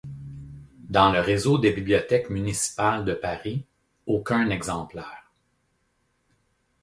Dans le réseau des bibliothèques municipales de Paris, aucun exemplaire.